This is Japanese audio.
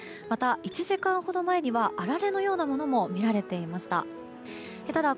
また、１時間ほど前にはあられのようなものも見られました。